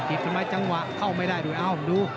อิฐมัติจังหวะเข้าไม่ได้ดู